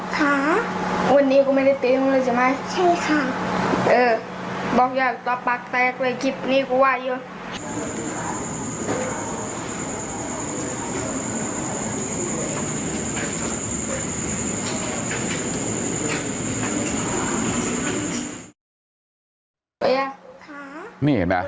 ฟังครับ